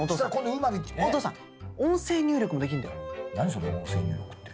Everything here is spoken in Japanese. それ音声入力って。